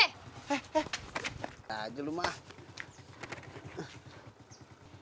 eh eh ayo aja lu mak